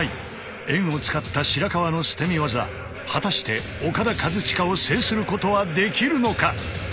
円を使った白川の捨身技果たしてオカダ・カズチカを制することはできるのか？